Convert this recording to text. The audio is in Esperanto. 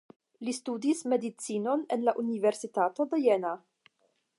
Li studis medicinon en la Universitato de Jena.